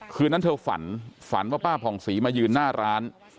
คืนนั้นเธอฝันฝันว่าป้าผ่องศรีมายืนหน้าร้าน